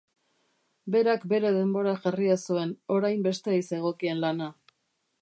Berak bere denbora jarria zuen, orain besteei zegokien lana.